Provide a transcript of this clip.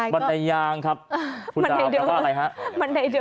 บันไดยเดิน